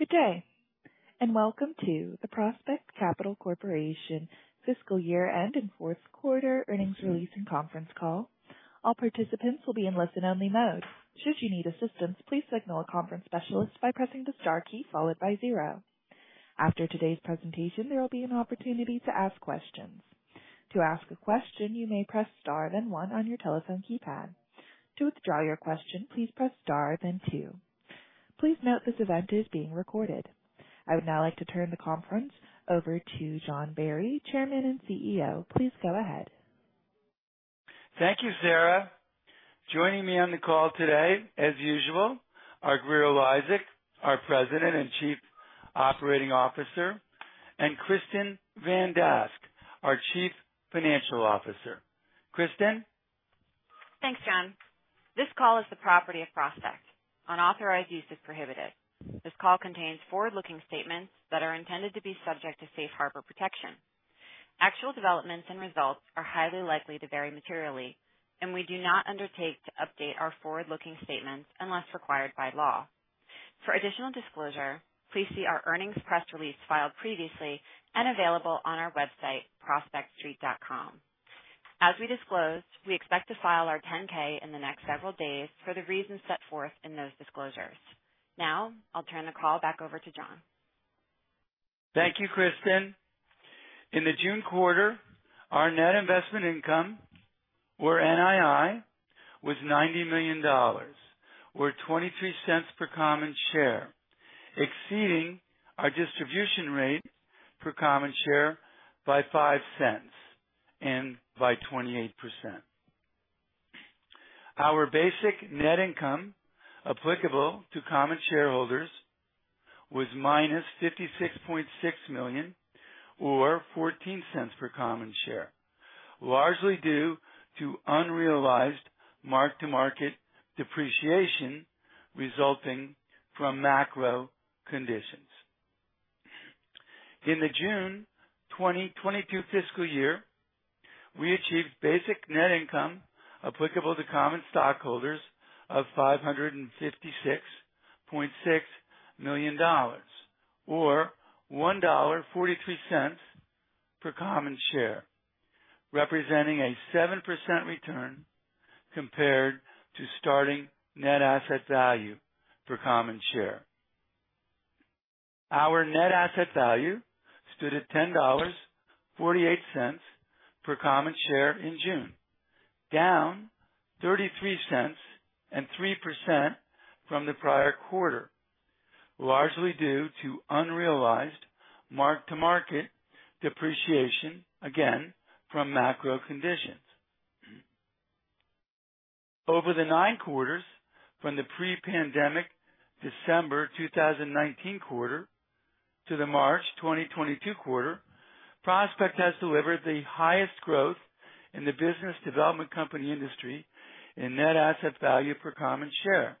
Good day, and welcome to the Prospect Capital Corporation Fiscal Year-End and Fourth Quarter Earnings Release and Conference Call. All participants will be in listen-only mode. Should you need assistance, please signal a conference specialist by pressing the star key followed by zero. After today's presentation, there will be an opportunity to ask questions. To ask a question, you may press Star then one on your telephone keypad. To withdraw your question, please press Star then two. Please note this event is being recorded. I would now like to turn the conference over to John F. Barry, Chairman and CEO. Please go ahead. Thank you, Sarah. Joining me on the call today, as usual, are Grier Eliasek, our President and Chief Operating Officer, and Kristin L. Van Dask, our Chief Financial Officer. Kristin. Thanks, John. This call is the property of Prospect. Unauthorized use is prohibited. This call contains forward-looking statements that are intended to be subject to safe harbor protection. Actual developments and results are highly likely to vary materially, and we do not undertake to update our forward-looking statements unless required by law. For additional disclosure, please see our earnings press release filed previously and available on our website, prospectstreet.com. As we disclosed, we expect to file our 10-K in the next several days for the reasons set forth in those disclosures. Now, I'll turn the call back over to John. Thank you, Kristin. In the June quarter, our net investment income, or NII, was $90 million or 0.23 per common share, exceeding our distribution rate per common share by 0.05 and by 28%. Our basic net income applicable to common shareholders was -56.6 million or 0.14 per common share, largely due to unrealized mark-to-market depreciation resulting from macro conditions. In the June 2022 fiscal year, we achieved basic net income applicable to common stockholders of $556.6 million or $1.43 per common share, representing a 7% return compared to starting net asset value per common share. Our net asset value stood at $10.48 per common share in June, down 0.33 and 3% from the prior quarter, largely due to unrealized mark-to-market depreciation, again, from macro conditions. Over the nine quarters from the pre-pandemic December 2019 quarter to the March 2022 quarter, Prospect has delivered the highest growth in the business development company industry in net asset value per common share,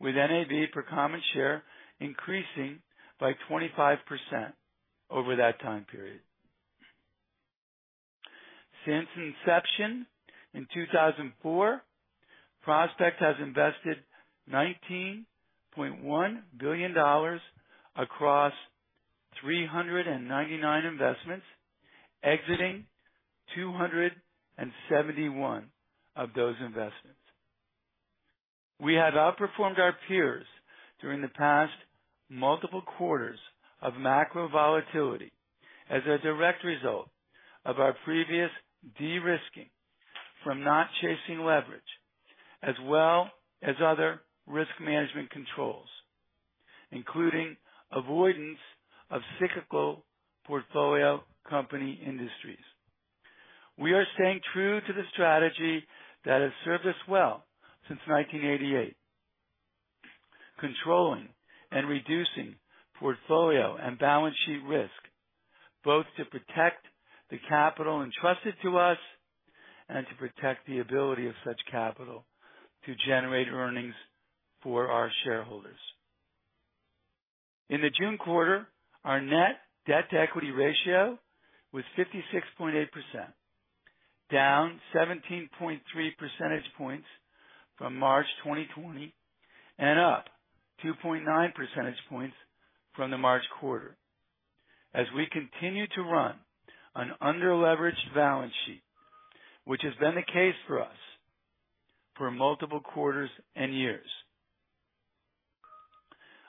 with NAV per common share increasing by 25% over that time period. Since inception in 2004, Prospect has invested $19.1 billion across 399 investments, exiting 271 of those investments. We have outperformed our peers during the past multiple quarters of macro volatility as a direct result of our previous de-risking from not chasing leverage as well as other risk management controls, including avoidance of cyclical portfolio company industries. We are staying true to the strategy that has served us well since 1988, controlling and reducing portfolio and balance sheet risk, both to protect the capital entrusted to us and to protect the ability of such capital to generate earnings for our shareholders. In the June quarter, our net debt-to-equity ratio was 56.8%, down 17.3 percentage points from March 2020 and up 2.9 percentage points from the March quarter as we continue to run an under-leveraged balance sheet, which has been the case for us for multiple quarters and years.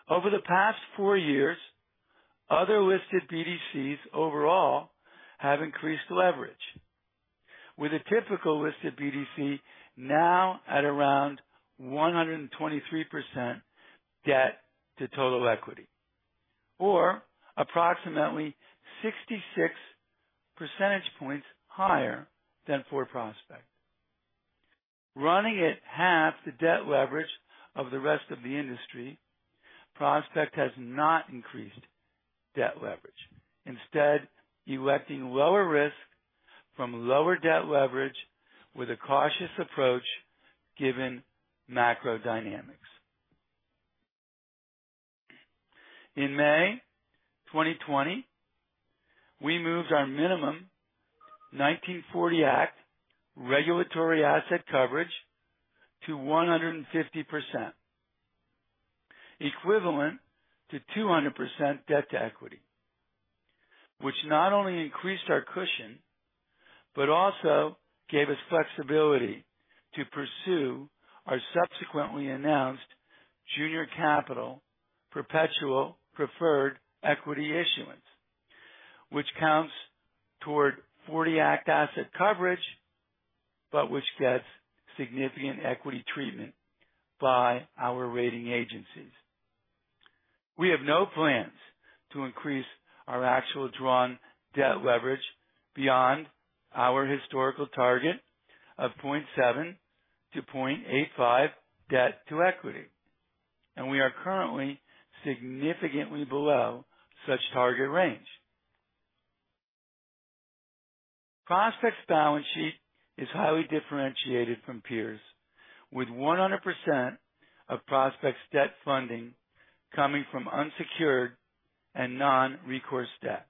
Over the past four years, other listed BDCs overall have increased leverage, with a typical listed BDC now at around 123% debt to total equity or approximately 66 percentage points higher than for Prospect. Running at half the debt leverage of the rest of the industry, Prospect has not increased debt leverage. Instead, electing lower risk from lower debt leverage with a cautious approach given macro dynamics. In May 2020, we moved our minimum '40 Act regulatory asset coverage to 150%, equivalent to 200% debt to equity, which not only increased our cushion but also gave us flexibility to pursue our subsequently announced junior capital perpetual preferred equity issuance, which counts toward '40 Act asset coverage, but which gets significant equity treatment by our rating agencies. We have no plans to increase our actual drawn debt leverage beyond our historical target of 0.7-0.85 debt to equity. We are currently significantly below such target range. Prospect's balance sheet is highly differentiated from peers with 100% of Prospect's debt funding coming from unsecured and non-recourse debt,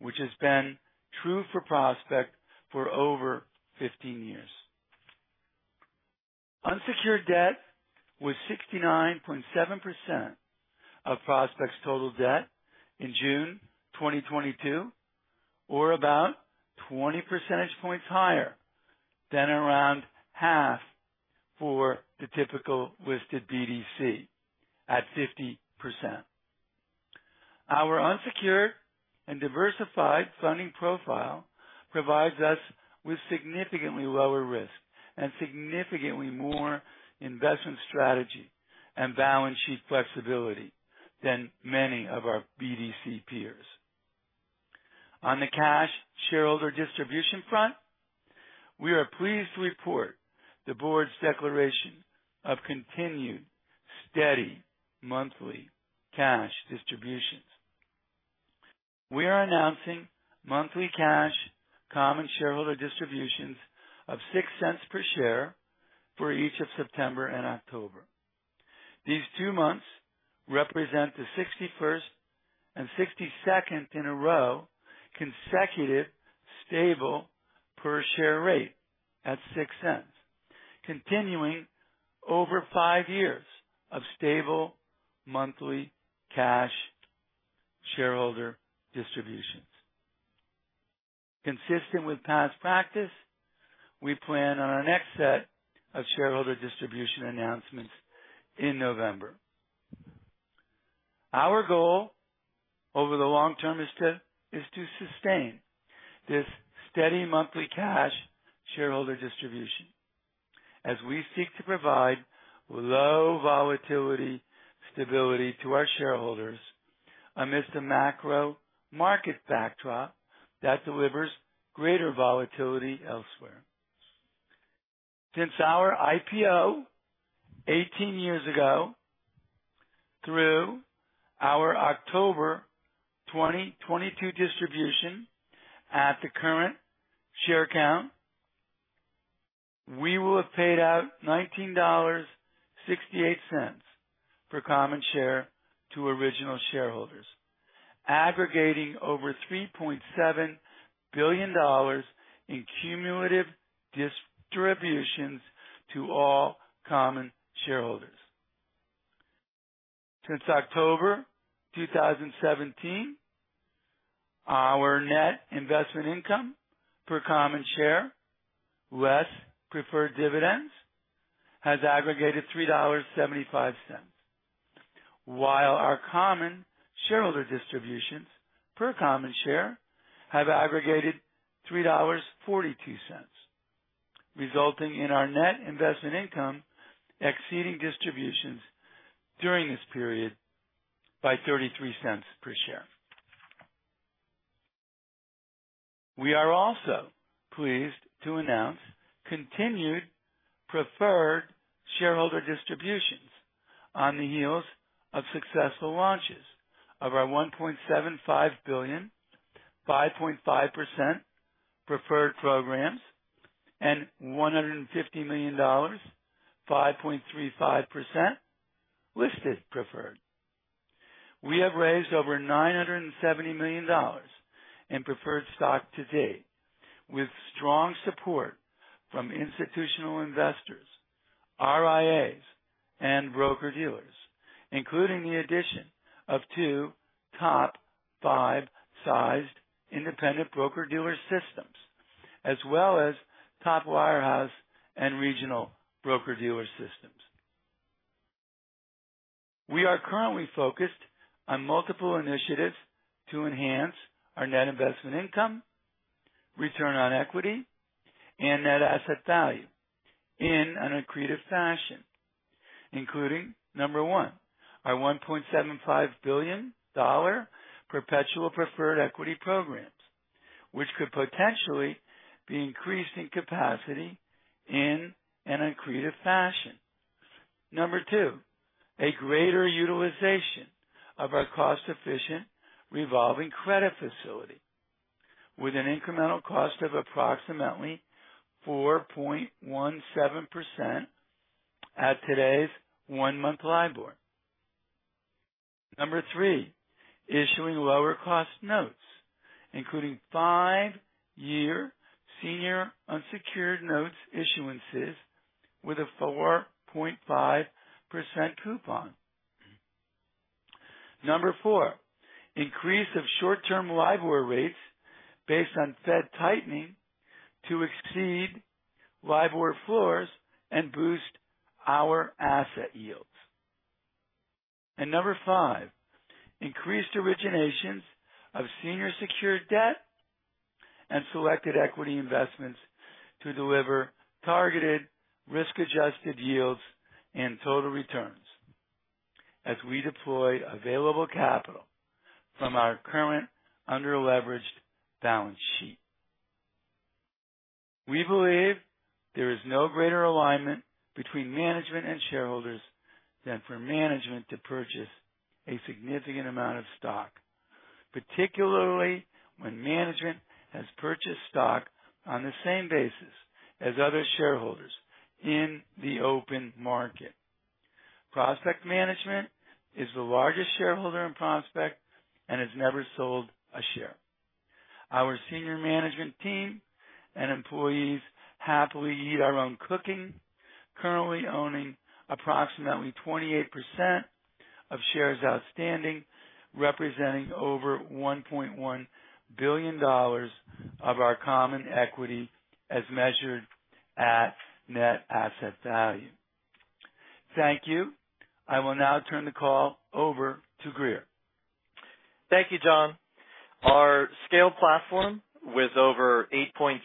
which has been true for Prospect for over 15 years. Unsecured debt was 69.7% of Prospect's total debt in June 2022, or about 20 percentage points higher than around half for the typical listed BDC at 50%. Our unsecured and diversified funding profile provides us with significantly lower risk and significantly more investment strategy and balance sheet flexibility than many of our BDC peers. On the cash shareholder distribution front, we are pleased to report the board's declaration of continued steady monthly cash distributions. We are announcing monthly cash common shareholder distributions of 0.06 per share for each of September and October. These two months represent the 61st and 62nd in a row consecutive stable per share rate at 0.06, continuing over five years of stable monthly cash shareholder distributions. Consistent with past practice, we plan on our next set of shareholder distribution announcements in November. Our goal over the long term is to sustain this steady monthly cash shareholder distribution as we seek to provide low volatility stability to our shareholders amidst a macro market backdrop that delivers greater volatility elsewhere. Since our IPO 18 years ago through our October 2022 distribution at the current share count, we will have paid out 19.68 per common share to original shareholders, aggregating over $3.7 billion in cumulative distributions to all common shareholders. Since October 2017, our net investment income per common share, less preferred dividends, has aggregated $3.75. While our common shareholder distributions per common share have aggregated $3.42, resulting in our net investment income exceeding distributions during this period by 0.33 per share. We are also pleased to announce continued preferred shareholder distributions on the heels of successful launches of our 1.75 billion, 5.5% preferred programs and 150 million, 5.35% listed preferred. We have raised over $970 million in preferred stock to date, with strong support from institutional investors, RIAs, and broker-dealers, including the addition of two top five sized independent broker-dealer systems as well as top wirehouse and regional broker-dealer systems. We are currently focused on multiple initiatives to enhance our net investment income, return on equity, and net asset value in an accretive fashion, including, number one, our $1.75 billion perpetual preferred equity programs, which could potentially be increased in capacity in an accretive fashion. Number two, a greater utilization of our cost-efficient revolving credit facility, with an incremental cost of approximately 4.17% at today's one-month LIBOR. Number three, issuing lower cost notes, including five-year senior unsecured notes issuances with a 4.5% coupon. Number four, increase of short-term LIBOR rates based on Fed tightening to exceed LIBOR floors and boost our asset yields. Number five, increased originations of senior secured debt and selected equity investments to deliver targeted risk-adjusted yields and total returns as we deploy available capital from our current under-leveraged balance sheet. We believe there is no greater alignment between management and shareholders than for management to purchase a significant amount of stock, particularly when management has purchased stock on the same basis as other shareholders in the open market. Prospect Capital Management is the largest shareholder in Prospect and has never sold a share. Our senior management team and employees happily eat our own cooking, currently owning approximately 28% of shares outstanding, representing over $1.1 billion of our common equity as measured at net asset value. Thank you. I will now turn the call over to Grier. Thank you, John. Our scale platform with over $8.3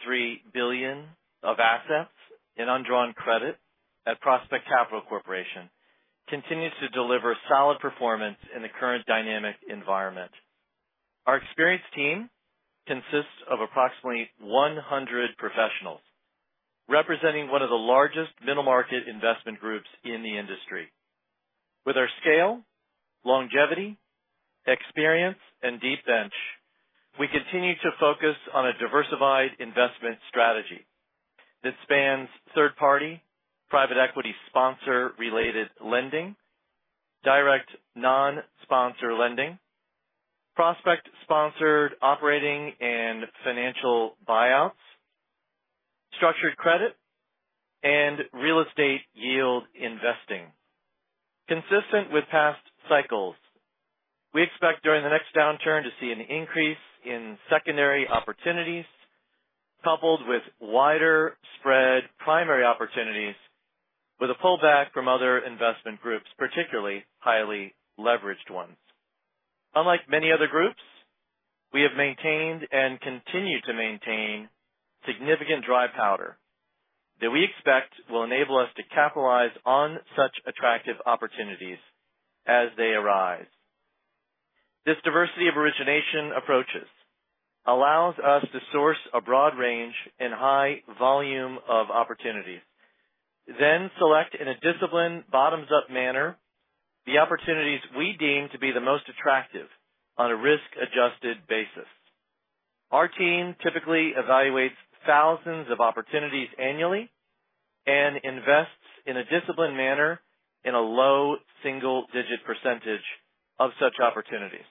billion of assets in undrawn credit at Prospect Capital Corporation continues to deliver solid performance in the current dynamic environment. Our experienced team consists of approximately 100 professionals, representing one of the largest middle market investment groups in the industry. With our scale, longevity, experience, and deep bench, we continue to focus on a diversified investment strategy. This spans third-party private equity sponsor-related lending, direct non-sponsor lending, Prospect-sponsored operating and financial buyouts, structured credit, and real estate yield investing. Consistent with past cycles, we expect during the next downturn to see an increase in secondary opportunities coupled with wider spread primary opportunities with a pullback from other investment groups, particularly highly leveraged ones. Unlike many other groups, we have maintained and continue to maintain significant dry powder that we expect will enable us to capitalize on such attractive opportunities as they arise. This diversity of origination approaches allows us to source a broad range and high volume of opportunities, then select in a disciplined bottoms-up manner the opportunities we deem to be the most attractive on a risk-adjusted basis. Our team typically evaluates thousands of opportunities annually and invests in a disciplined manner in a low single-digit percentage of such opportunities.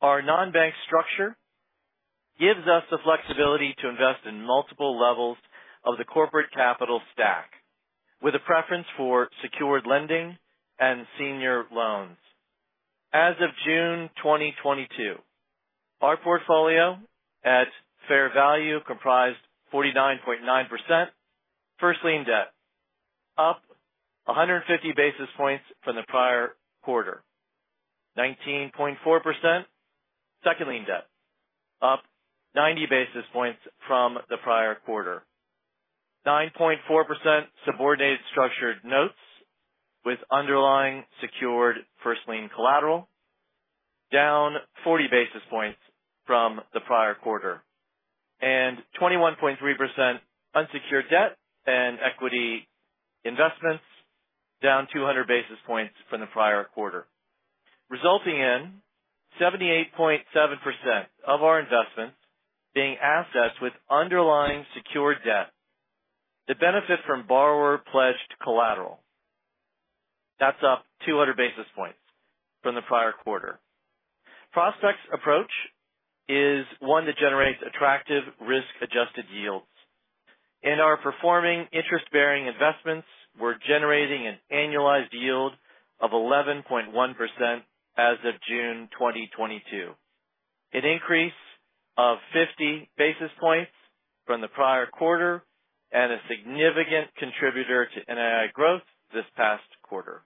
Our non-bank structure gives us the flexibility to invest in multiple levels of the corporate capital stack with a preference for secured lending and senior loans. As of June 2022, our portfolio at fair value comprised 49.9% first lien debt, up 150 basis points from the prior quarter. 19.4% second lien debt, up 90 basis points from the prior quarter. 9.4% subordinated structured notes with underlying secured first lien collateral, down 40 basis points from the prior quarter, and 21.3% unsecured debt and equity investments, down 200 basis points from the prior quarter, resulting in 78.7% of our investments being assets with underlying secured debt that benefit from borrower-pledged collateral. That's up 200 basis points from the prior quarter. Prospect's approach is one that generates attractive risk-adjusted yields. In our performing interest-bearing investments, we're generating an annualized yield of 11.1% as of June 2022, an increase of 50 basis points from the prior quarter and a significant contributor to NII growth this past quarter.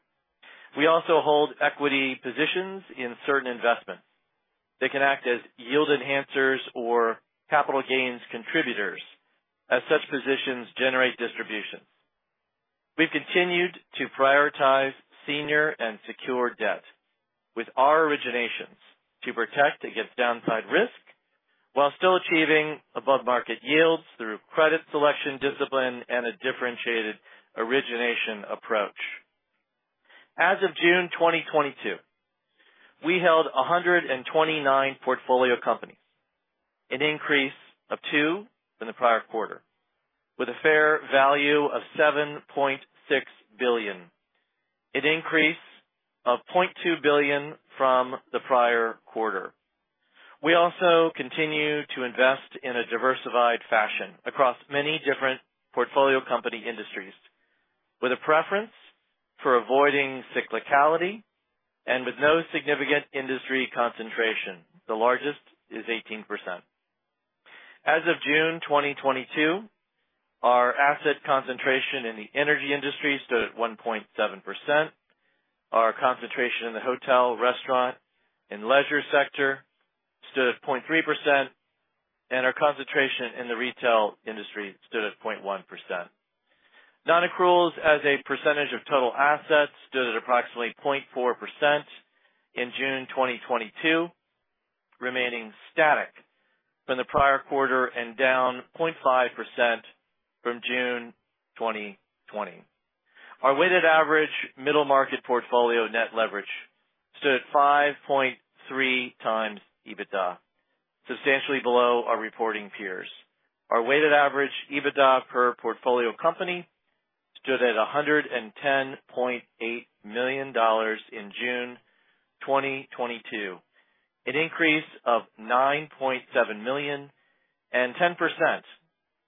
We also hold equity positions in certain investments that can act as yield enhancers or capital gains contributors as such positions generate distributions. We've continued to prioritize senior and secure debt with our originations to protect against downside risk while still achieving above-market yields through credit selection discipline and a differentiated origination approach. As of June 2022, we held 129 portfolio companies, an increase of two than the prior quarter, with a fair value of 7.6 billion. An increase of 0.2 billion from the prior quarter. We also continue to invest in a diversified fashion across many different portfolio company industries, with a preference for avoiding cyclicality and with no significant industry concentration. The largest is 18%. As of June 2022, our asset concentration in the energy industry stood at 1.7%. Our concentration in the hotel, restaurant, and leisure sector stood at 0.3%, and our concentration in the retail industry stood at 0.1%. Non-accruals as a percentage of total assets stood at approximately 0.4% in June 2022, remaining static from the prior quarter and down 0.5% from June 2020. Our weighted average middle market portfolio net leverage stood at 5.3x EBITDA, substantially below our reporting peers. Our weighted average EBITDA per portfolio company stood at $110.8 million in June 2022, an increase of 9.7 million and 10%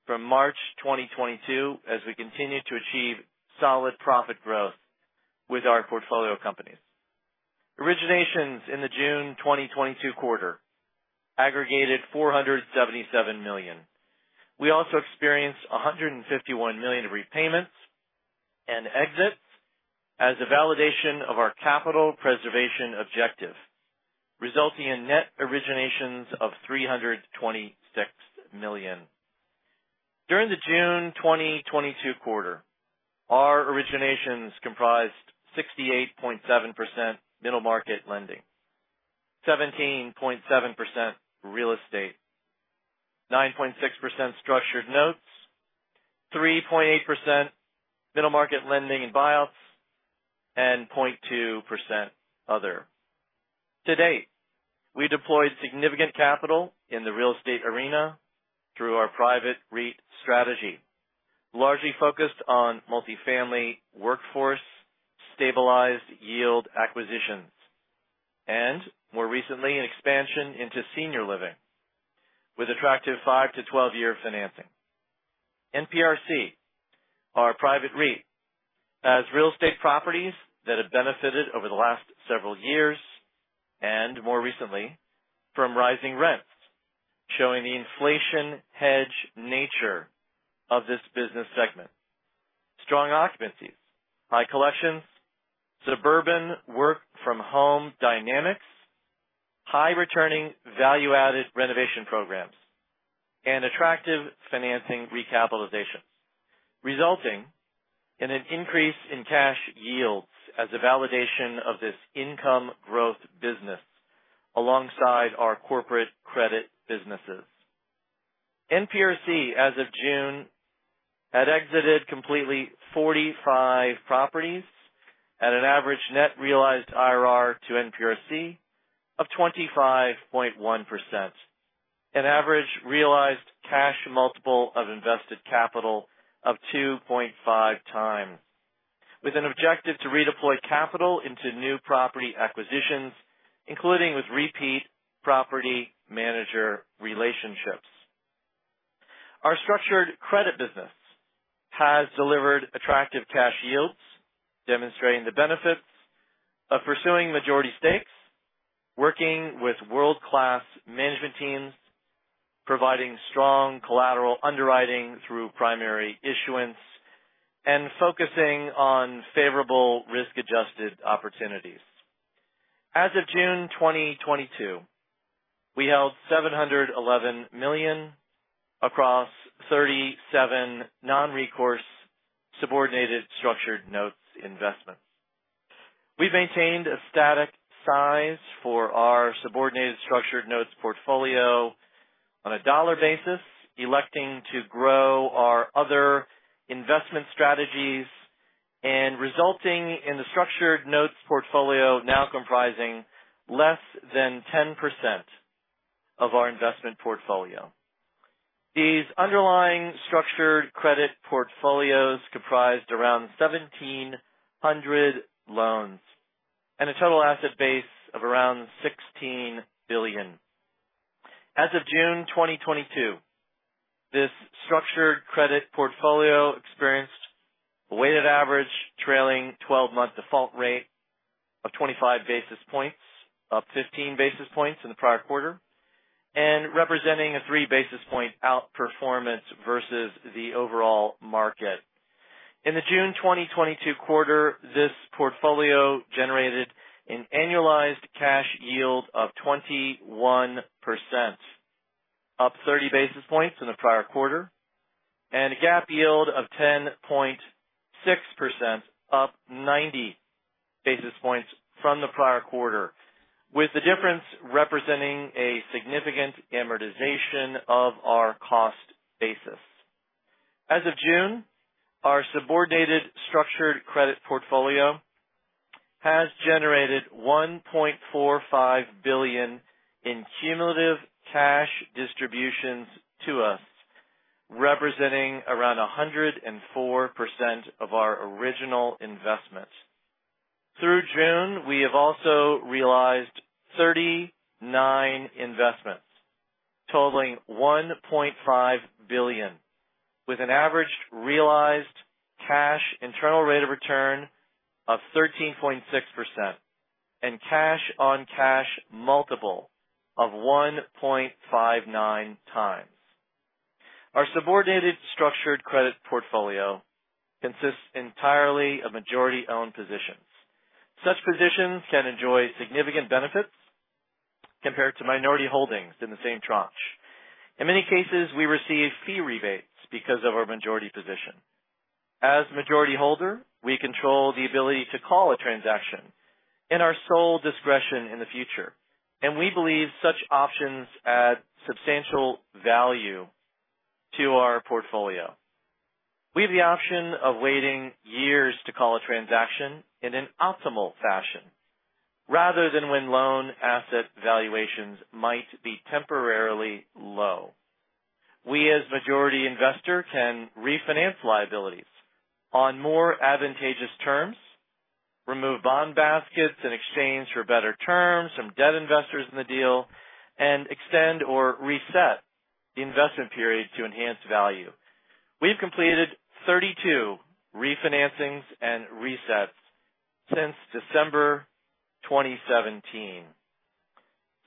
from March 2022, as we continue to achieve solid profit growth with our portfolio companies. Originations in the June 2022 quarter aggregated 477 million. We also experienced 151 million in repayments and exits as a validation of our capital preservation objective, resulting in net originations of 326 million. During the June 2022 quarter, our originations comprised 68.7% middle market lending, 17.7% real estate, 9.6% structured notes, 3.8% middle market lending and buyouts, and 0.2% other. To date, we deployed significant capital in the real estate arena through our private REIT strategy, largely focused on multi-family workforce, stabilized yield acquisitions, and more recently, an expansion into senior living with attractive five-12-year financing. NPRC, our private REIT, has real estate properties that have benefited over the last several years, and more recently, from rising rents, showing the inflation hedge nature of this business segment. Strong occupancies, high collections, suburban work-from-home dynamics, high returning value-added renovation programs, and attractive financing recapitalizations, resulting in an increase in cash yields as a validation of this income growth business alongside our corporate credit businesses. NPRC, as of June, had exited completely 45 properties at an average net realized IRR to NPRC of 25.1%. An average realized cash multiple of invested capital of 2.5x with an objective to redeploy capital into new property acquisitions, including with repeat property manager relationships. Our structured credit business has delivered attractive cash yields, demonstrating the benefits of pursuing majority stakes, working with world-class management teams, providing strong collateral underwriting through primary issuance, and focusing on favorable risk-adjusted opportunities. As of June 2022, we held 711 million across 37 non-recourse subordinated structured notes investments. We've maintained a static size for our subordinated structured notes portfolio on a dollar basis, electing to grow our other investment strategies and resulting in the structured notes portfolio now comprising less than 10% of our investment portfolio. These underlying structured credit portfolios comprised around 1,700 loans and a total asset base of around $16 billion. As of June 2022, this structured credit portfolio experienced a weighted average trailing twelve-month default rate of 25 basis points, up 15 basis points in the prior quarter, and representing a three basis point outperformance versus the overall market. In the June 2022 quarter, this portfolio generated an annualized cash yield of 21%, up 30 basis points in the prior quarter, and a GAAP yield of 10.6%, up 90 basis points from the prior quarter, with the difference representing a significant amortization of our cost basis. As of June, our subordinated structured credit portfolio has generated 1.45 billion in cumulative cash distributions to us, representing around 104% of our original investments. Through June, we have also realized 39 investments totaling 1.5 billion, with an average realized cash internal rate of return of 13.6% and cash on cash multiple of 1.59x. Our subordinated structured credit portfolio consists entirely of majority-owned positions. Such positions can enjoy significant benefits compared to minority holdings in the same tranche. In many cases, we receive fee rebates because of our majority position. As majority holder, we control the ability to call a transaction in our sole discretion in the future, and we believe such options add substantial value to our portfolio. We have the option of waiting years to call a transaction in an optimal fashion rather than when loan asset valuations might be temporarily low. We, as majority investor, can refinance liabilities on more advantageous terms, remove bond baskets in exchange for better terms from debt investors in the deal, and extend or reset the investment period to enhance value. We've completed 32 refinancings and resets since December 2017.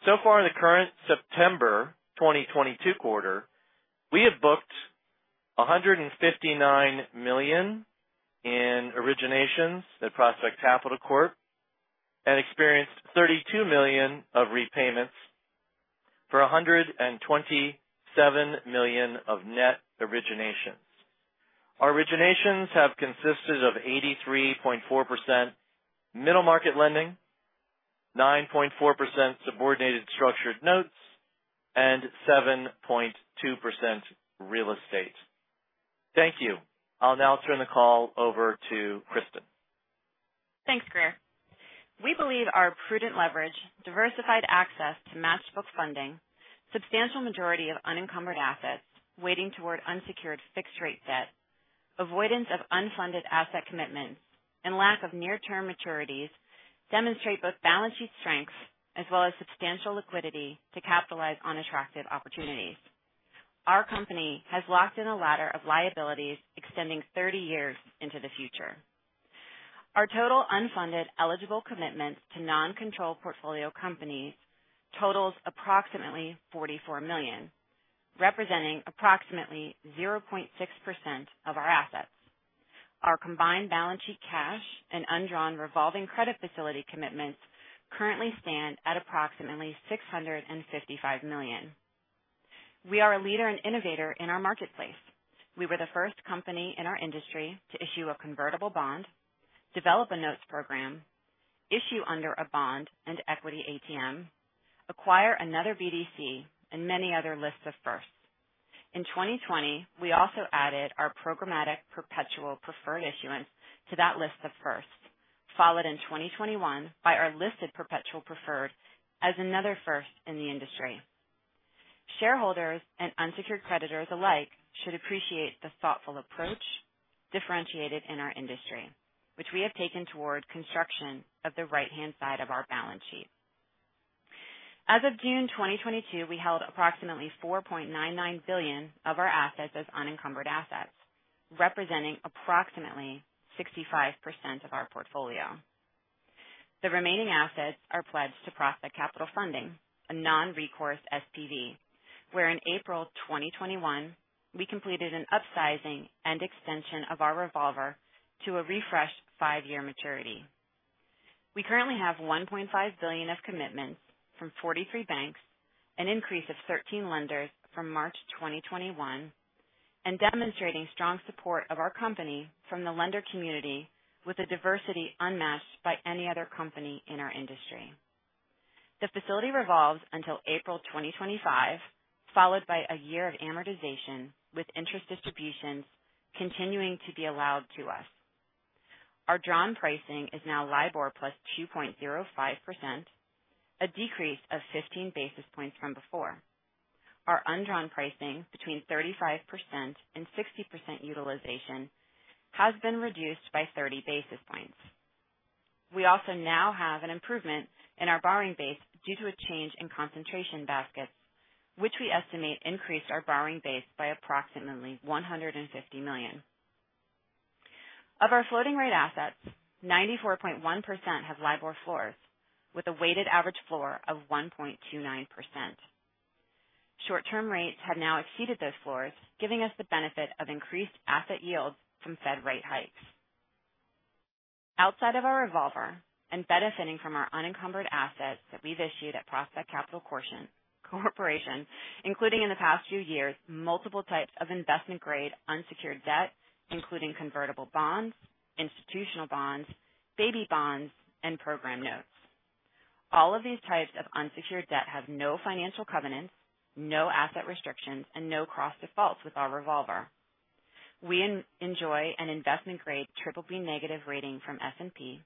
So far in the current September 2022 quarter, we have booked $159 million in originations at Prospect Capital Corporation and experienced 32 million of repayments for 127 million of net originations. Our originations have consisted of 83.4% middle market lending, 9.4% subordinated structured notes, and 7.2% real estate. Thank you. I'll now turn the call over to Kristin. Thanks, Grier. We believe our prudent leverage, diversified access to matched-book funding, substantial majority of unencumbered assets weighting toward unsecured fixed-rate debt, avoidance of unfunded asset commitments, and lack of near-term maturities demonstrate both balance sheet strengths as well as substantial liquidity to capitalize on attractive opportunities. Our company has locked in a ladder of liabilities extending 30 years into the future. Our total unfunded eligible commitments to non-control portfolio companies totals approximately 44 million, representing approximately 0.6% of our assets. Our combined balance sheet cash and undrawn revolving credit facility commitments currently stand at approximately 655 million. We are a leader and innovator in our marketplace. We were the first company in our industry to issue a convertible bond, develop a notes program, issue under a bond and equity ATM, acquire another BDC, and many other lists of firsts. In 2020, we also added our programmatic perpetual preferred issuance to that list of firsts, followed in 2021 by our listed perpetual preferred as another first in the industry. Shareholders and unsecured creditors alike should appreciate the thoughtful approach differentiated in our industry, which we have taken toward construction of the right-hand side of our balance sheet. As of June 2022, we held approximately 4.99 billion of our assets as unencumbered assets, representing approximately 65% of our portfolio. The remaining assets are pledged to Prospect Capital Funding, a non-recourse SPV, wherein April 2021, we completed an upsizing and extension of our revolver to a refreshed five-year maturity. We currently have 1.5 billion of commitments from 43 banks, an increase of 13 lenders from March 2021, and demonstrating strong support of our company from the lender community with a diversity unmatched by any other company in our industry. The facility revolves until April 2025, followed by a year of amortization, with interest distributions continuing to be allowed to us. Our drawn pricing is now LIBOR plus 2.05%, a decrease of 15 basis points from before. Our undrawn pricing between 35% and 60% utilization has been reduced by 30 basis points. We also now have an improvement in our borrowing base due to a change in concentration baskets, which we estimate increased our borrowing base by approximately 150 million. Of our floating rate assets, 94.1% have LIBOR floors with a weighted average floor of 1.29%. Short-term rates have now exceeded those floors, giving us the benefit of increased asset yields from Fed rate hikes. Outside of our revolver and benefiting from our unencumbered assets that we've issued by Prospect Capital Corporation, including in the past few years, multiple types of investment-grade unsecured debt, including convertible bonds, institutional bonds, baby bonds, and program notes. All of these types of unsecured debt have no financial covenants, no asset restrictions, and no cross defaults with our revolver. We enjoy an investment-grade BBB- rating from S&P,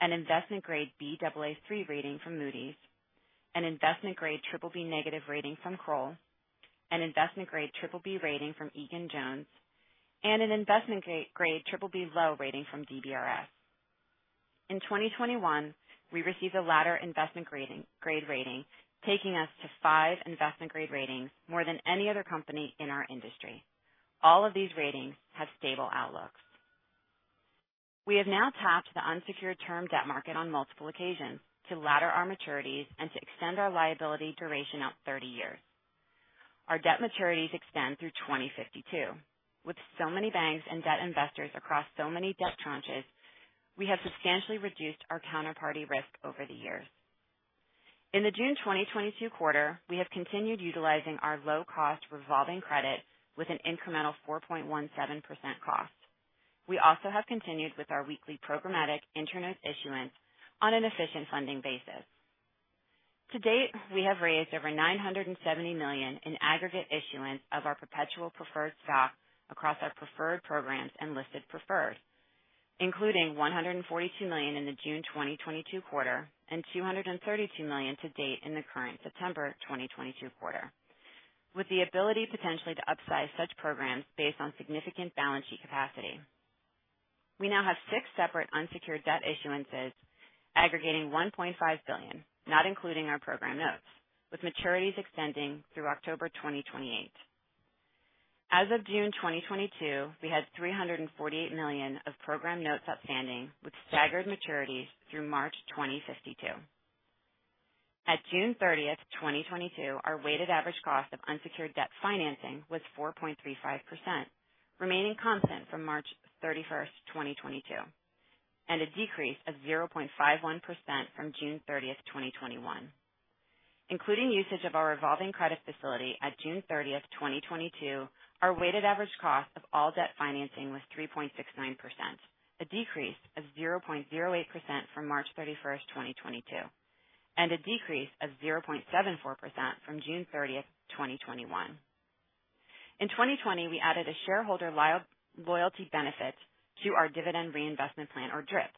an investment-grade Baa3 rating from Moody's, an investment-grade BBB- rating from Kroll, an investment-grade BBB rating from Egan-Jones, and an investment-grade BBB (low) rating from DBRS. In 2021, we received an investment grade rating, taking us to five investment grade ratings, more than any other company in our industry. All of these ratings have stable outlooks. We have now tapped the unsecured term debt market on multiple occasions to ladder our maturities and to extend our liability duration out 30 years. Our debt maturities extend through 2052. With so many banks and debt investors across so many debt tranches, we have substantially reduced our counterparty risk over the years. In the June 2022 quarter, we have continued utilizing our low cost revolving credit with an incremental 4.17% cost. We also have continued with our weekly programmatic ATM issuance on an efficient funding basis. To date, we have raised over 970 million in aggregate issuance of our perpetual preferred stock across our preferred programs and listed preferreds, including 142 million in the June 2022 quarter and 232 million to date in the current September 2022 quarter. With the ability potentially to upsize such programs based on significant balance sheet capacity. We now have six separate unsecured debt issuances aggregating 1.5 billion, not including our program notes, with maturities extending through October 2028. As of June 2022, we had 348 million of program notes outstanding, with staggered maturities through March 2052. At June 30, 2022, our weighted average cost of unsecured debt financing was 4.35%, remaining constant from March 31, 2022, and a decrease of 0.51% from June 30, 2021. Including usage of our revolving credit facility at June 30, 2022, our weighted average cost of all debt financing was 3.69%, a decrease of 0.08% from March 31, 2022, and a decrease of 0.74% from June 30, 2021. In 2020, we added a shareholder loyalty benefit to our dividend reinvestment plan, or DRIP,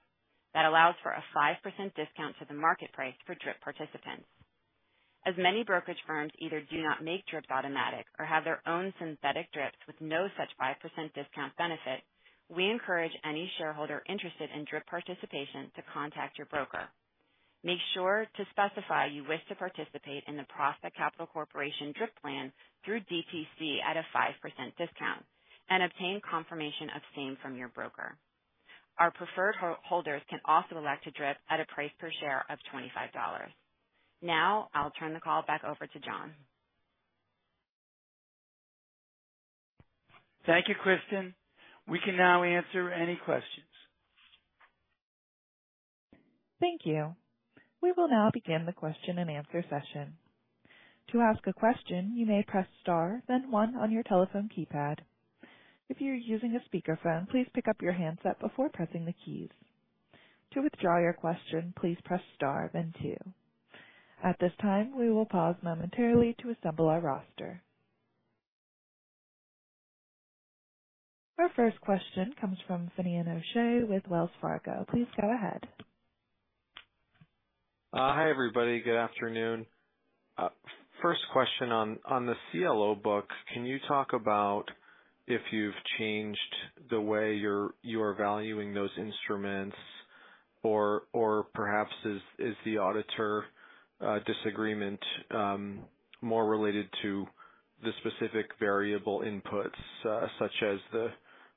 that allows for a 5% discount to the market price for DRIP participants. As many brokerage firms either do not make DRIPs automatic or have their own synthetic DRIPs with no such 5% discount benefit, we encourage any shareholder interested in DRIP participation to contact your broker. Make sure to specify you wish to participate in the Prospect Capital Corporation DRIP plan through DTC at a 5% discount and obtain confirmation of same from your broker. Our preferred holders can also elect a DRIP at a price per share of $25. Now I'll turn the call back over to John. Thank you, Kristin. We can now answer any questions. Thank you. We will now begin the question-and-answer session. To ask a question, you may press star then one on your telephone keypad. If you're using a speakerphone, please pick up your handset before pressing the keys. To withdraw your question, please press star then two. At this time, we will pause momentarily to assemble our roster. Our first question comes from Finian O'Shea with Wells Fargo. Please go ahead. Hi, everybody. Good afternoon. First question on the CLO books, can you talk about if you've changed the way you are valuing those instruments or perhaps is the auditor disagreement more related to the specific variable inputs, such as the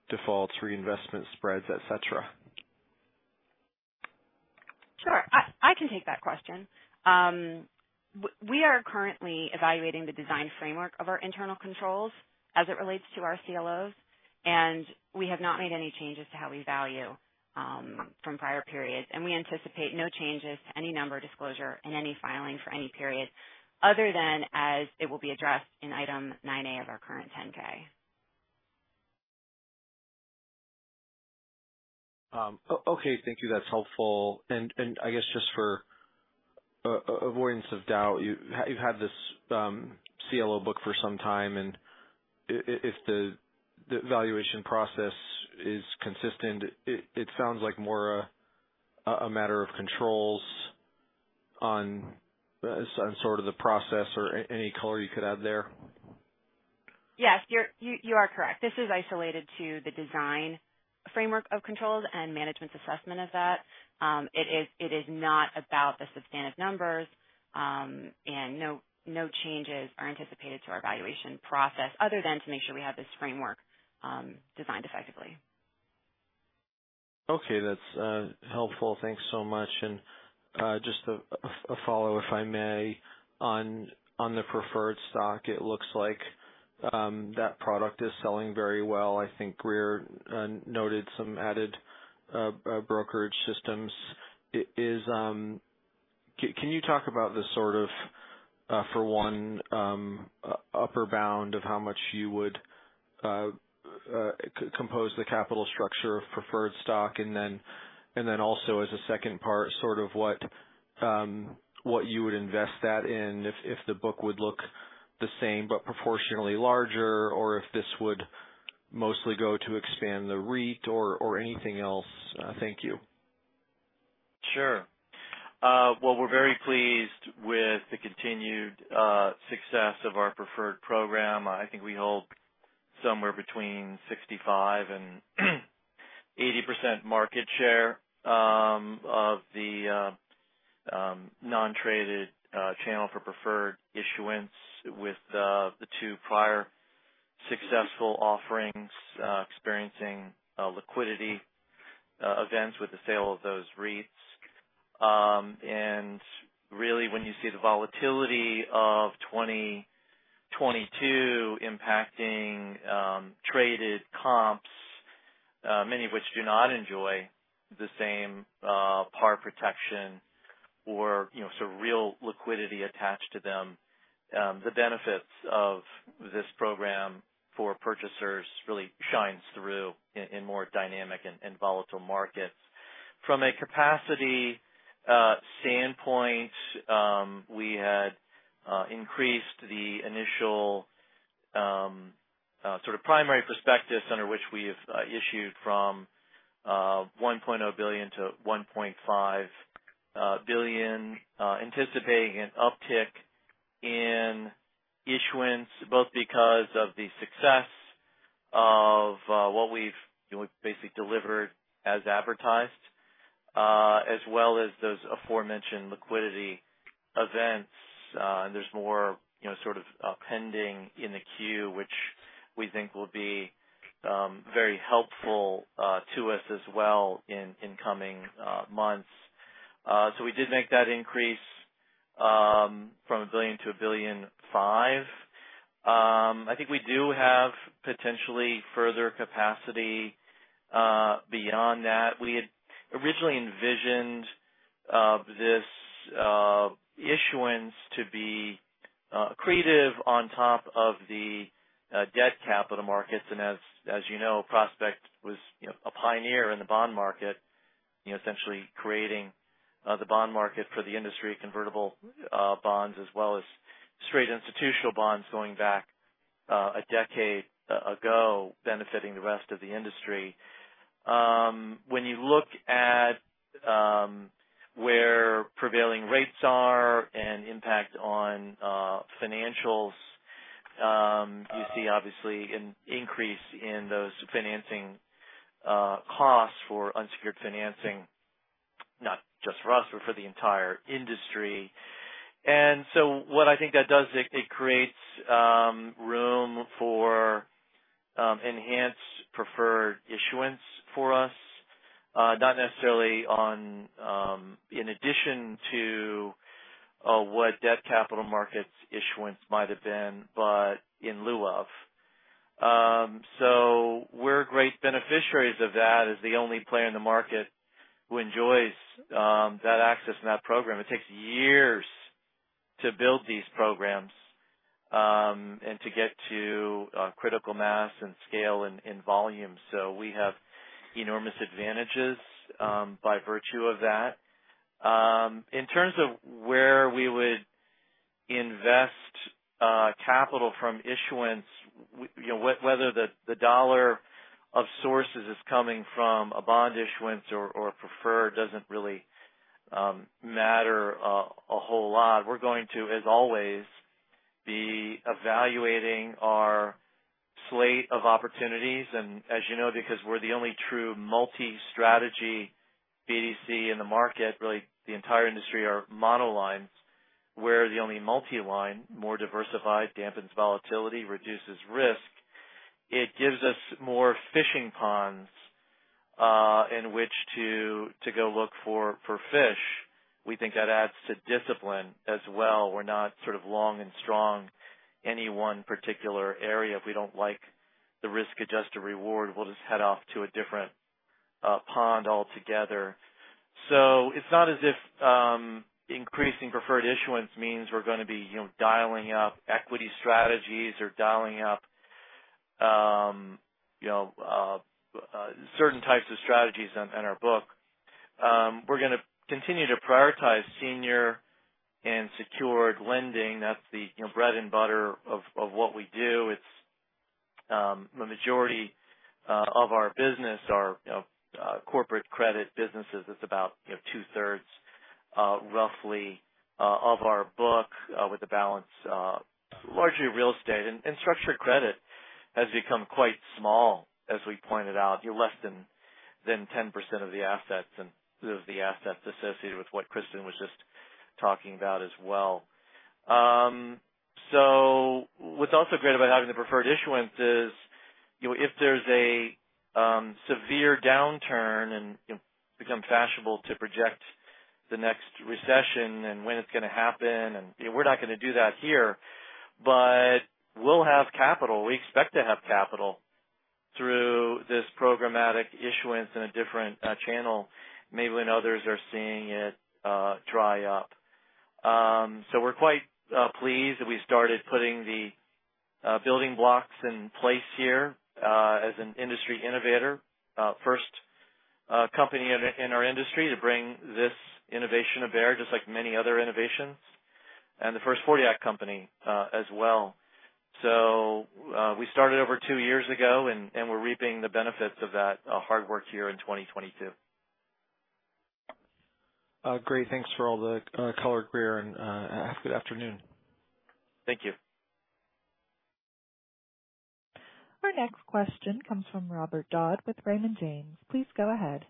defaults, reinvestment spreads, et cetera? Sure. I can take that question. We are currently evaluating the design framework of our internal controls as it relates to our CLOs, and we have not made any changes to how we value from prior periods. We anticipate no changes to any number disclosure in any filing for any period other than as it will be addressed in Item 9A of our current 10-K. Okay. Thank you. That's helpful. I guess just for avoidance of doubt, you've had this CLO book for some time, and if the valuation process is consistent, it sounds like more a matter of controls on sort of the process or any color you could add there. Yes, you are correct. This is isolated to the design framework of controls and management's assessment of that. It is not about the substantive numbers, and no changes are anticipated to our valuation process other than to make sure we have this framework designed effectively. Okay, that's helpful. Thanks so much. Just a follow-up, if I may, on the preferred stock, it looks like that product is selling very well. I think Grier noted some added brokerage systems. Can you talk about the sort of, for one, upper bound of how much you would comprise the capital structure of preferred stock. Then also as a second part, sort of what you would invest that in if the book would look the same but proportionally larger, or if this would mostly go to expand the REIT or anything else. Thank you. Sure. Well, we're very pleased with the continued success of our preferred program. I think we hold somewhere between 65% and 80% market share of the non-traded channel for preferred issuance with the two prior successful offerings experiencing liquidity events with the sale of those REITs. Really, when you see the volatility of 2022 impacting traded comps, many of which do not enjoy the same par protection or, you know, sort of real liquidity attached to them, the benefits of this program for purchasers really shines through in more dynamic and volatile markets. From a capacity standpoint, we had increased the initial sort of primary prospectus under which we have issued from 1.0 billion-1.5 billion, anticipating an uptick in issuance, both because of the success of what we've, you know, basically delivered as advertised, as well as those aforementioned liquidity events. There's more, you know, sort of pending in the queue, which we think will be very helpful to us as well in incoming months. We did make that increase from 1 billion-1.5 billion. I think we do have potentially further capacity beyond that. We had originally envisioned this issuance to be accretive on top of the debt capital markets. As you know, Prospect was, you know, a pioneer in the bond market, you know, essentially creating the bond market for the industry, convertible bonds as well as straight institutional bonds going back a decade ago benefiting the rest of the industry. When you look at where prevailing rates are and impact on financials, you see obviously an increase in those financing costs for unsecured financing, not just for us, but for the entire industry. What I think that does is it creates room for enhanced preferred issuance for us, not necessarily in addition to what debt capital markets issuance might have been, but in lieu of. So we're great beneficiaries of that as the only player in the market who enjoys that access and that program. It takes years to build these programs, and to get to critical mass and scale and volume. We have enormous advantages by virtue of that. In terms of where we would invest capital from issuance, you know, whether the dollar of sources is coming from a bond issuance or preferred doesn't really matter a whole lot. We're going to, as always, be evaluating our slate of opportunities. As you know, because we're the only true multi-strategy BDC in the market, really the entire industry are monolines. We're the only multi-line, more diversified, dampens volatility, reduces risk. It gives us more fishing ponds in which to go look for fish. We think that adds to discipline as well. We're not sort of long and strong any one particular area. If we don't like the risk-adjusted reward, we'll just head off to a different pond altogether. It's not as if increasing preferred issuance means we're going to be, you know, dialing up equity strategies or dialing up, you know, certain types of strategies on our book. We're going to continue to prioritize senior and secured lending. That's the, you know, bread and butter of what we do. It's the majority of our business, our, you know, corporate credit businesses. It's about, you know, two-thirds, roughly, of our book, with the balance largely real estate. Structured credit has become quite small, as we pointed out, you know, less than 10% of the assets and of the assets associated with what Kristin was just talking about as well. What's also great about having the preferred issuance is, you know, if there's a severe downturn and, you know, it's become fashionable to project the next recession and when it's going to happen, and, you know, we're not going to do that here. We'll have capital. We expect to have capital through this programmatic issuance in a different channel, maybe when others are seeing it dry up. We're quite pleased that we started putting the building blocks in place here as an industry innovator. First company in our industry to bring this innovation to bear, just like many other innovations. The first '40 Act company as well. We started over two years ago, and we're reaping the benefits of that hard work here in 2022. Great. Thanks for all the color, Greer, and have a good afternoon. Thank you. Our next question comes from Robert Dodd with Raymond James. Please go ahead.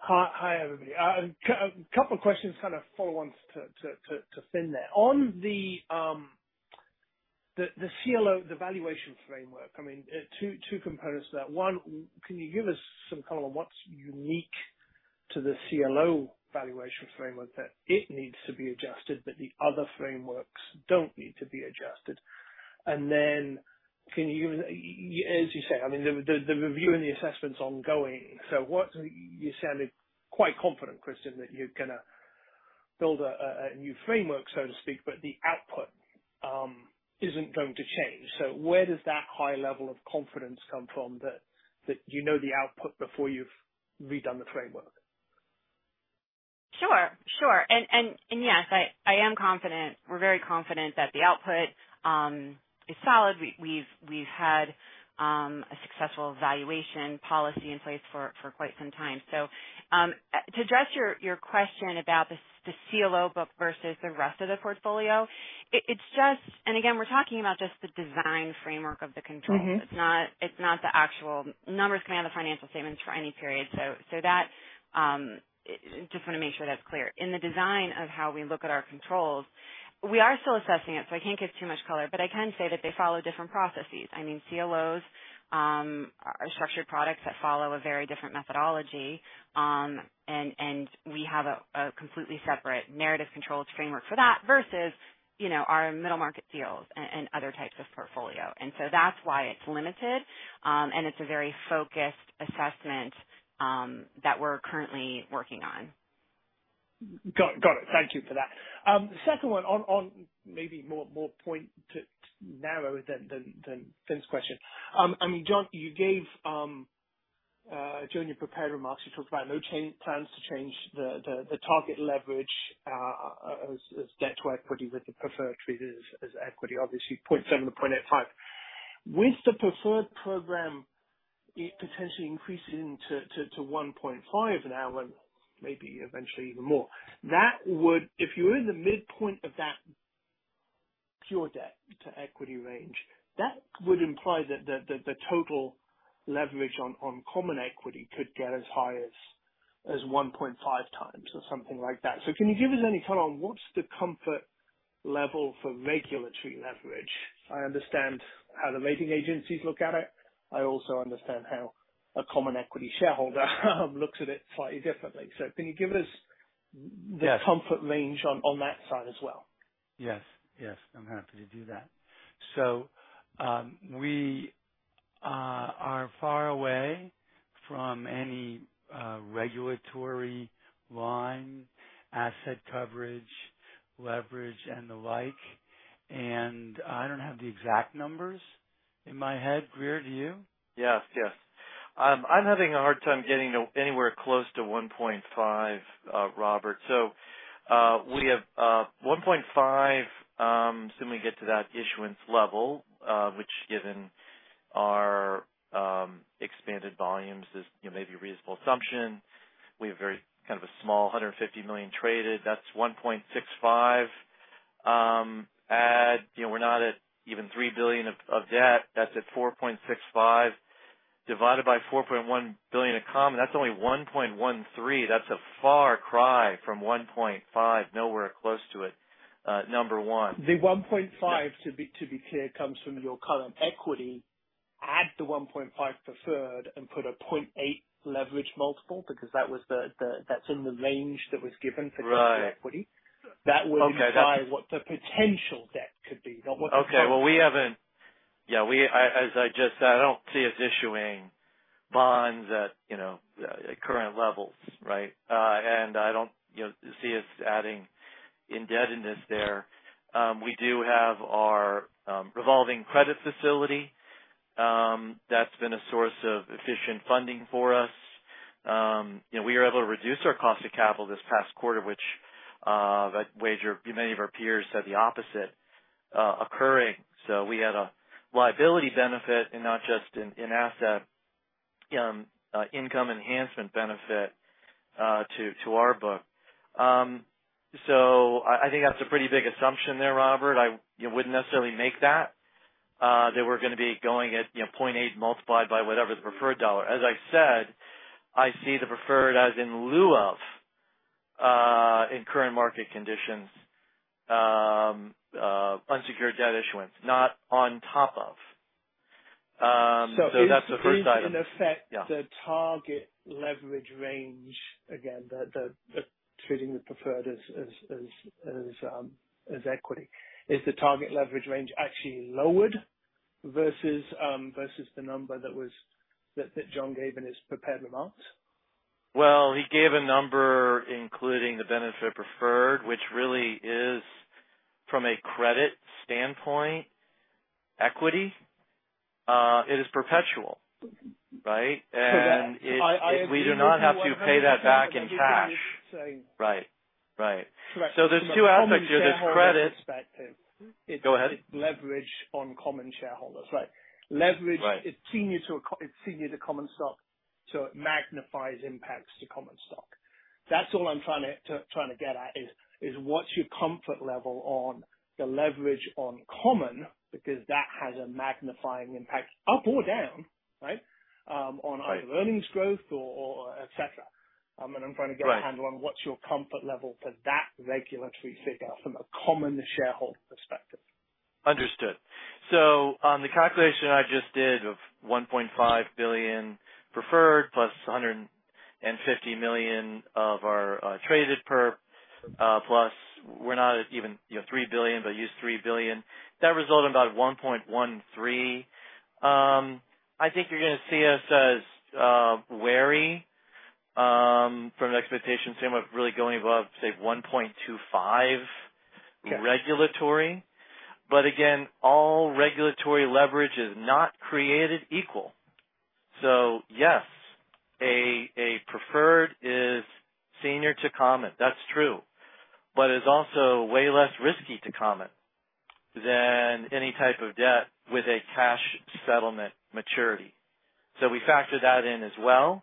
Hi, everybody. A couple questions, kind of follow-ons to Finn there. On the CLO, the valuation framework, I mean, two components to that. One, can you give us some color on what's unique to the CLO valuation framework that it needs to be adjusted but the other frameworks don't need to be adjusted? As you say, I mean the review and the assessment's ongoing. You sounded quite confident, Kristin, that you're going to build a new framework, so to speak, but the output isn't going to change. Where does that high level of confidence come from that you know the output before you've redone the framework? Sure. Yes, I am confident. We're very confident that the output is solid. We've had a successful valuation policy in place for quite some time. To address your question about the CLO book versus the rest of the portfolio, it's just, and again, we're talking about just the design framework of the controls. Mm-hmm. It's not the actual numbers coming out of the financial statements for any period. So that just want to make sure that's clear. In the design of how we look at our controls, we are still assessing it, so I can't give too much color, but I can say that they follow different processes. I mean, CLOs are structured products that follow a very different methodology, and we have a completely separate internal controls framework for that versus, you know, our middle market deals and other types of portfolio. That's why it's limited, and it's a very focused assessment that we're currently working on. Got it. Thank you for that. The second one on maybe more pointed, more narrow than Finian's question. I mean, John, you gave during your prepared remarks, you talked about no plans to change the target leverage as debt to equity with the preferred treated as equity, obviously 0.7-0.85. With the preferred program, it potentially increases to 1.5 now and maybe eventually even more. That would if you were in the midpoint of that pure debt to equity range, that would imply that the total leverage on common equity could get as high as 1.5 times or something like that. Can you give us any color on what's the comfort level for regulatory leverage? I understand how the rating agencies look at it. I also understand how a common equity shareholder looks at it slightly differently. Can you give us? Yes. the comfort range on that side as well? Yes, I'm happy to do that. We are far away from any regulatory line, asset coverage, leverage and the like, and I don't have the exact numbers in my head. Greer, do you? Yes. I'm having a hard time getting to anywhere close to 1.5, Robert. We have 1.5, assuming we get to that issuance level, which given our expanded volumes is, you know, may be a reasonable assumption. We have very kind of a small 150 million traded. That's 1.65. And, you know we're not at even 3 billion of debt. That's at 4.65 divided by 4.1 billion in common. That's only 1.13. That's a far cry from 1.5. Nowhere close to it, number one. The 1.5- Yeah. To be clear, comes from your current equity. Add the 1.5 preferred and put a 0.8 leverage multiple, because that was the, that's in the range that was given for current equity. Right. Okay. That would imply what the potential debt could be. Okay, well, as I just said, I don't see us issuing bonds at, you know, at current levels, right? And I don't, you know, see us adding indebtedness there. We do have our revolving credit facility. That's been a source of efficient funding for us. You know, we were able to reduce our cost of capital this past quarter, which, I'd wager many of our peers had the opposite occurring. So we had a liability benefit and not just an asset income enhancement benefit to our book. So I think that's a pretty big assumption there, Robert. I wouldn't necessarily make that that we're going to be going at, you know, 0.8 multiplied by whatever the preferred dollar. As I said, I see the preferred as in lieu of, in current market conditions, unsecured debt issuance, not on top of. That's the first item. Is in effect. Yeah. The target leverage range, again, treating the preferred as equity. Is the target leverage range actually lowered versus the number that John gave in his prepared remarks? Well, he gave a number, including the benefit preferred, which really is, from a credit standpoint, equity. It is perpetual, right? I agree with you. We do not have to pay that back in cash. I think what you're saying. Right. Right. Right. There's two aspects here. There's credit. From a common shareholder perspective. Go ahead. It's leverage on common shareholders, right? Right. Leverage. It's senior to common stock, so it magnifies impacts to common stock. That's all I'm trying to get at, is what's your comfort level on the leverage on common, because that has a magnifying impact up or down, right? Right. On either earnings growth or et cetera. I'm trying to get- Right. Have a handle on what's your comfort level for that regulatory figure from a common shareholder perspective? Understood. On the calculation I just did of 1.5 billion preferred plus 150 million of our traded preferred plus we're not even, you know, 3 billion, but use 3 billion, that resulted in about 1.13. I think you're going to see us as wary from an expectation standpoint of really going above, say, 1.25 regulatory. Again, all regulatory leverage is not created equal. Yes, preferred is senior to common. That's true. But it is also way less risky to common than any type of debt with a cash settlement maturity. We factor that in as well.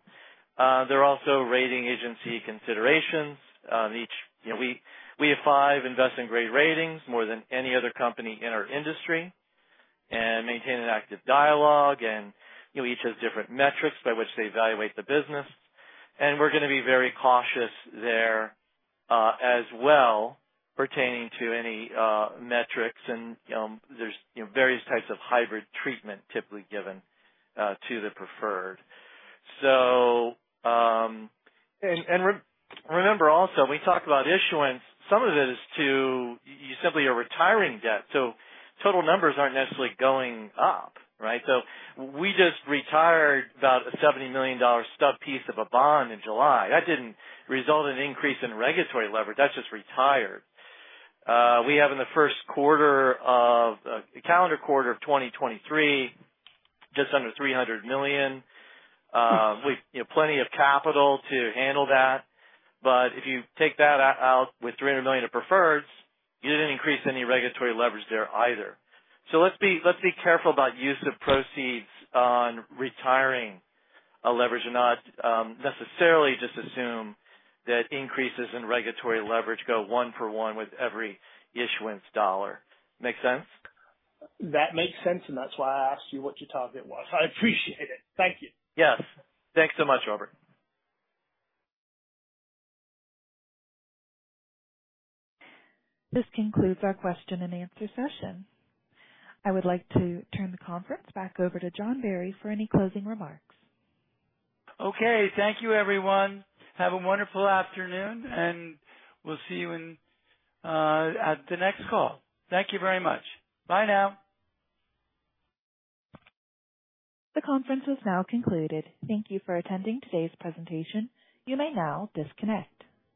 There are also rating agency considerations. You know, we have five investment-grade ratings, more than any other company in our industry, and maintain an active dialogue. You know, each has different metrics by which they evaluate the business. We're going to be very cautious there as well pertaining to any metrics. There's you know, various types of hybrid treatment typically given to the preferred. Remember also when we talk about issuance, some of it is to you simply are retiring debt, so total numbers aren't necessarily going up, right? We just retired about a $70 million stub piece of a bond in July. That didn't result in an increase in regulatory leverage. That's just retired. We have in the first quarter of calendar 2023 just under 300 million. We've you know, plenty of capital to handle that. But if you take that out with 300 million of preferreds, you didn't increase any regulatory leverage there either. Let's be careful about use of proceeds on retiring leverage and not necessarily just assume that increases in regulatory leverage go one for one with every issuance dollar. Make sense? That makes sense, and that's why I asked you what your target was. I appreciate it. Thank you. Yes. Thanks so much, Robert. This concludes our question and answer session. I would like to turn the conference back over to John F. Barry for any closing remarks. Okay, thank you everyone. Have a wonderful afternoon, and we'll see you at the next call. Thank you very much. Bye now. The conference has now concluded. Thank you for attending today's presentation. You may now disconnect.